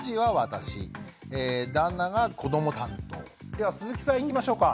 では鈴木さんいきましょうか。